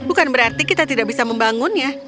bukan berarti kita tidak bisa membangunnya